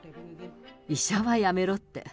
医者はやめろって。